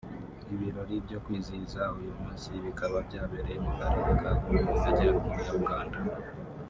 Ibirori byo kwizihiza uyu munsi bikaba byabereye mu karere ka Gulu mu majyaruguru ya Uganda